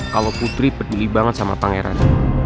kalau putri peduli banget sama pangeran